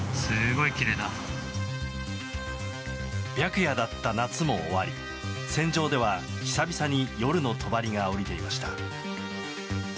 白夜だった夏も終わり船上では久々に夜のとばりが下りていました。